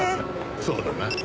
そうだな。